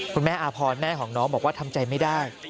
อาพรแม่ของน้องบอกว่าทำใจไม่ได้